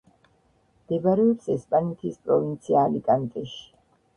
მდებარეობს ესპანეთის პროვინცია ალიკანტეში.